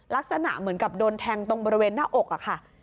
ลักษณะเหมือนกับโดนแทงตรงบริเวณหน้าอกอะค่ะ